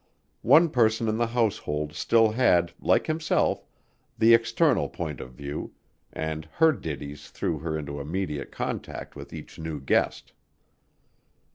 One person in the household still had, like himself, the external point of view, and her ditties threw her into immediate contact with each new guest.